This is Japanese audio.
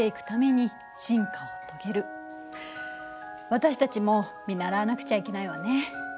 私たちも見習わなくちゃいけないわね。